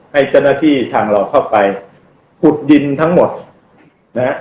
ให้เจ้าหน้าที่ทางเราเข้าไปขุดดินทั้งหมดนะฮะ